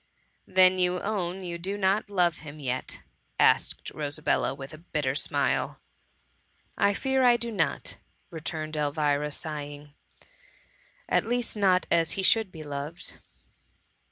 " Then you own you do not love him yet ? asked Rosabella, with a bitter smile. I fear I do not,'* returned Elvira, sighing, *^ at least not as he should be loved.